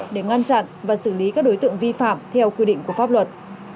để ngăn chặn và xử lý các đối tượng vi phạm theo quy định của pháp luật